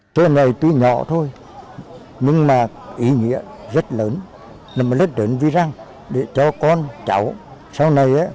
chuyện này tuy nhỏ thôi nhưng mà ý nghĩa rất lớn rất lớn vì rằng để cho con cháu sau này